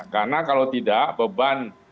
karena kalau tidak beban